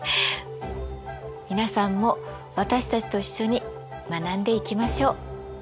皆さんも私たちと一緒に学んでいきましょう。